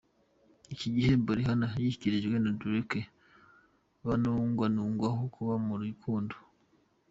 Iki gihembo Rihanna yagishyikirijwe na Drake banugwanugwaho kuba mu rukundo.